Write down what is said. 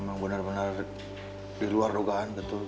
memang benar benar diluar dugaan tentu